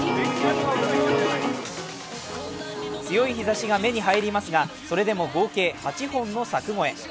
強い日ざしが目に入りますが、それでも合計８本の柵越え。